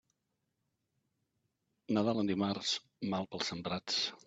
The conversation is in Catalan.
Nadal en dimarts, mal pels sembrats.